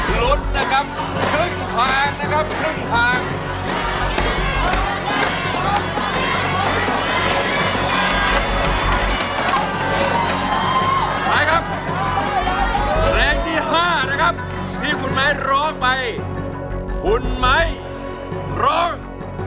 ลุ้นนะครับครึ่งทางนะครับครึ่งทาง